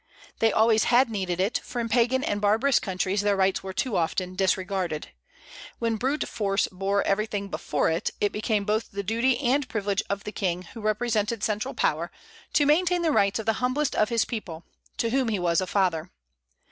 They always had needed it, for in Pagan and barbarous countries their rights were too often disregarded. When brute force bore everything before it, it became both the duty and privilege of the king, who represented central power, to maintain the rights of the humblest of his people, to whom he was a father.